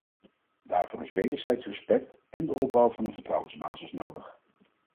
Daarvoor is wederzijds respect en de opbouw van een vertrouwensbasis nodig.